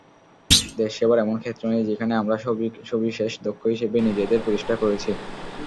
দেশসেবার এমন ক্ষেত্র নেই, যেখানে আমরা সবিশেষ দক্ষ হিসেবে নিজেদের প্রতিষ্ঠা করেছি।